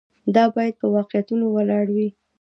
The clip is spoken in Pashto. دا باید په واقعیتونو ولاړ وي.